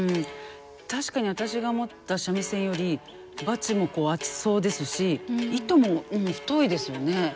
確かに私が持った三味線よりバチも厚そうですし糸も太いですよね。